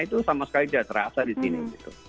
itu sama sekali tidak terasa disini